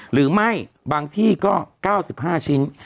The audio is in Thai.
หรือไม่บางที่ก็๙๕ชิ้น